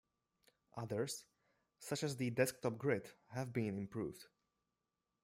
Others, such as the desktop grid, have been improved.